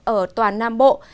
ở toàn nam bộ